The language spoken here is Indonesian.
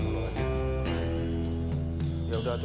aduh tidak baik sih